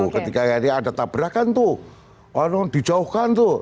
ketika ada tabrakan tuh orang dijauhkan tuh